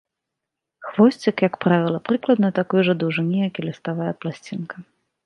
Хвосцік, як правіла, прыкладна такой жа даўжыні, як і ліставая пласцінка.